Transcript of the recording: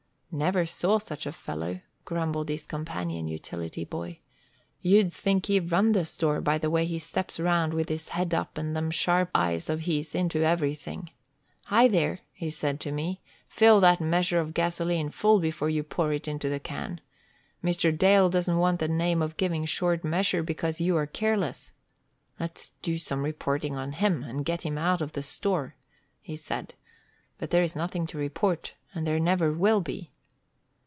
"Never saw such a fellow!" grumbled his companion utility boy. "You'd think he run the store by the way he steps round with his head up and them sharp eyes of his into everything. 'Hi there!' he said to me. 'Fill that measure of gasoline full before you pour it into the can. Mr. Dale doesn't want the name of giving short measure because you are careless.' Let's do some reporting on him, and get him out of the store," he said. "But there's nothing to report, and there never will be."